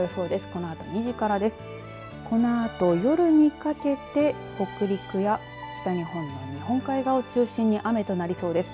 このあと夜にかけて北陸や北日本から日本海側を中心に雨となりそうです。